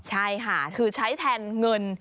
ใช่ค่ะคือใช้แทนเงิน